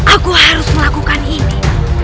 aku harus melakukan ini